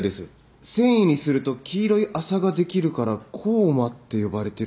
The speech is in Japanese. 繊維にすると黄色い麻ができるから黄麻って呼ばれてるとか。